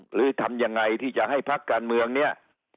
หรือทำยังไงที่จะให้พักการเมืองเนี่ย